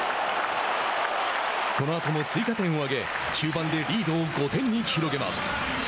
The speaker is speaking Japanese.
このあとも追加点を挙げ中盤でリードを５点に広げます。